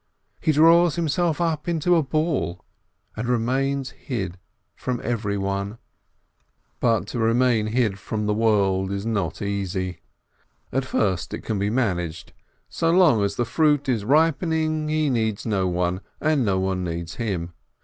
He draws himself up into a ball, and remains hid from everyone. But to remain hid from the world is not so easy. At first it can be managed. So long as the fruit is ripening, he needs no one, and no one needs him.